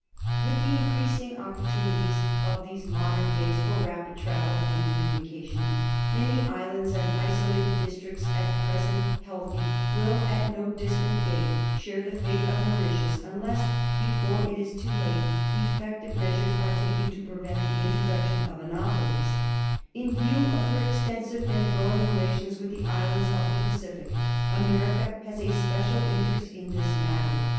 With the increasing opportunities of these modern days for rapid travel and communication, many islands and isolated districts at present healthy will at no distant date share the fate of Mauritius unless, before it is too late, effective measures are taken to prevent the intro duction of anopheles; In view of her extensive and growing relations with the islands of the Pacific, America has a special interest in this matter.